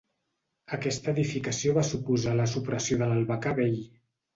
Aquesta edificació va suposar la supressió de l'albacar vell.